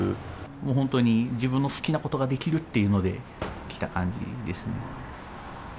もう本当に自分の好きな事ができるっていうので来た感じですね。